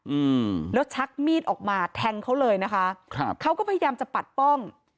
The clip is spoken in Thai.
อืมแล้วชักมีดออกมาแทงเขาเลยนะคะครับเขาก็พยายามจะปัดป้อง